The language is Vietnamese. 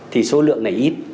thì số lượng này ít